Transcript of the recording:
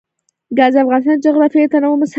ګاز د افغانستان د جغرافیوي تنوع مثال دی.